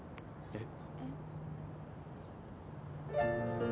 えっ。